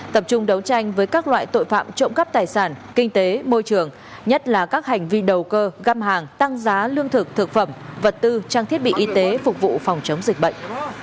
tập trung đấu tranh với các loại tội phạm trộm cắp tài sản kinh tế môi trường nhất là các hành vi đầu cơ găm hàng tăng giá lương thực thực phẩm vật tư trang thiết bị y tế phục vụ phòng chống dịch bệnh